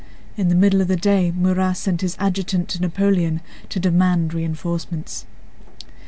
In the middle of the day Murat sent his adjutant to Napoleon to demand reinforcements.